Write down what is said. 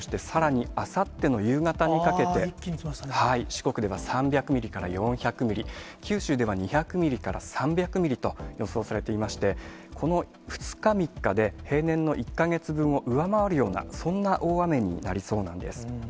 四国では３００ミリから４００ミリ、九州では２００ミリから３００ミリと予想されていまして、この２日、３日で、平年の１か月分を上回るような、そんな大雨になりそうなんです。